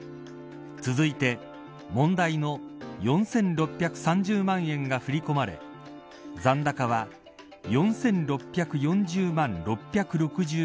続いて、問題の４６３０万円が振り込まれ残高は４６４０万６６５円に。